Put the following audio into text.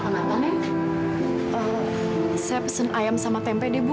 karena dia mau kacau